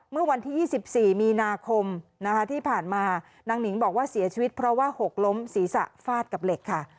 เมื่อวันที่๒๔มีนาคมนะคะที่ผ่านมานางหนิงบอกว่าเสียชีวิตเพราะว่าหกล้มศีรษะฟาดกับเหล็กค่ะ